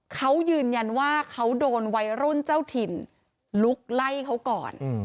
เขายืนยันว่าเขาโดนวัยรุ่นเจ้าถิ่นลุกไล่เขาก่อน